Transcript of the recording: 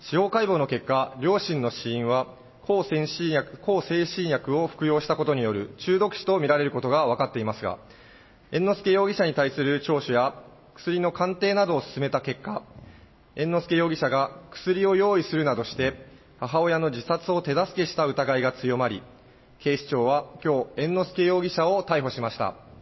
司法解剖の結果、両親の死因は向精神薬を服用したことによる中毒死と見られることが分かっていますが、猿之助容疑者に対する聴取や、薬の鑑定などを進めた結果、猿之助容疑者が薬を用意するなどして、母親の自殺を手助けした疑いが強まり、警視庁はきょう、猿之助容疑者を逮捕しました。